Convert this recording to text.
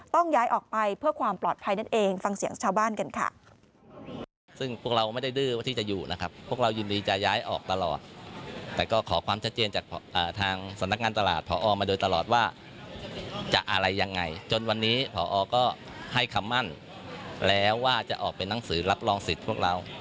ต้องย้ายออกไปเพื่อความปลอดภัยนั่นเองฟังเสียงชาวบ้านกันค่ะ